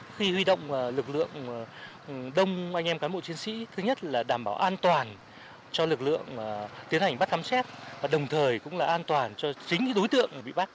khi huy động lực lượng đông anh em cán bộ chiến sĩ thứ nhất là đảm bảo an toàn cho lực lượng tiến hành bắt khám xét và đồng thời cũng là an toàn cho chính đối tượng bị bắt